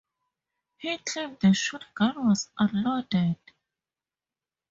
He claimed the shotgun was unloaded.